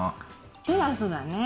テラスだね。